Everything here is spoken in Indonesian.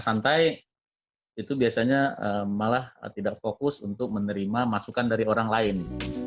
santai itu biasanya malah tidak fokus untuk menerima masukan dari orang lain